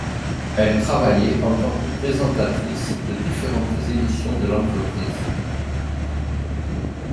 Elle travaillait en tant que présentatrice de différentes émissions de l'entreprise.